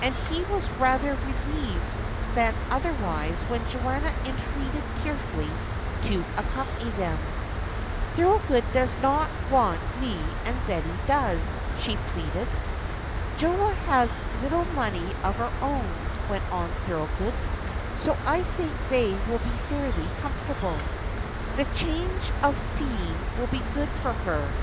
And he was rather relieved than otherwise when Joanna entreated tearfully to accompany them. "Thorold does not want me and Betty does," she pleaded. "Joa has a little money of her own," went on Thorold, "so I think they will be fairly comfortable. The change of scene will be good for her.